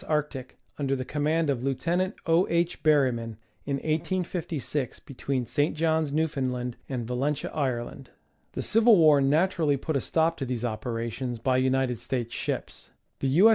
Arctic, under the command of Lieut. O. H. Berryman, in 1856, between St. Johns, Newfound land, and Yalentia, Ireland. The civil war naturally put a stop to these operations by United States ships. The U.